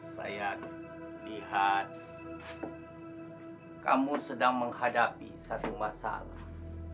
saya lihat kamu sedang menghadapi satu masalah